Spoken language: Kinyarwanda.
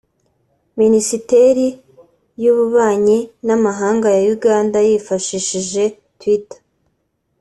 Minisiteri y’Ububanyi n’Amahanga ya Uganda yifashishije Twitter